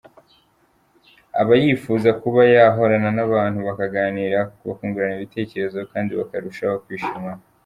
Aba yifuza kuba yahorana n’abantu bakaganira bakungurana ibitekerezo kandi bakarushaho kwishimana.